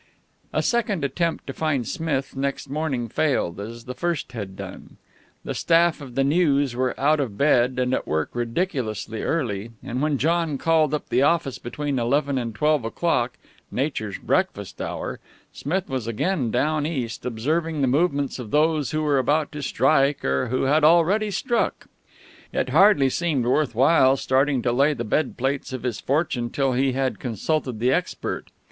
A second attempt to find Smith next morning failed, as the first had done. The staff of the News were out of bed and at work ridiculously early, and when John called up the office between eleven and twelve o'clock nature's breakfast hour Smith was again down East, observing the movements of those who were about to strike or who had already struck. It hardly seemed worth while starting to lay the bed plates of his fortune till he had consulted the expert.